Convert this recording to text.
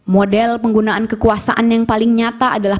model penggunaan kekuasaan yang paling nyata adalah